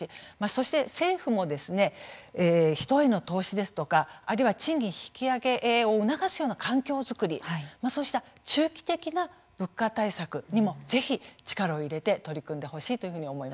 そして政府も人への投資ですとかあるいは賃金引き上げを促すような環境作りそうした中期的な物価対策にもぜひ力を入れて取り組んでほしいというふうに思います。